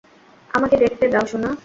আমাকে দেখতে দাও, সোনা!